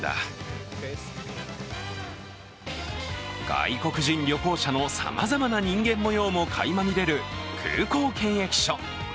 外国人旅行者のさまざまな人間もようもかいま見れる空港検疫所。